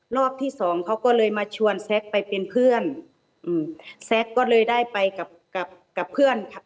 รอบที่สองเขาก็เลยมาชวนแซคไปเป็นเพื่อนอืมแซ็กก็เลยได้ไปกับกับเพื่อนค่ะ